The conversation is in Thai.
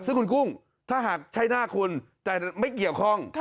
ซึ่งคุณกุ้งถ้าหากใช้หน้าคุณแต่ไม่เกี่ยวข้อง